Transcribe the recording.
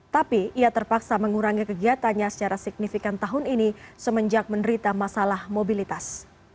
tapi ia terpaksa mengurangi kegiatannya secara signifikan tahun ini semenjak menderita masalah mobilitas